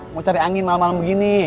mau cari angin malam malam begini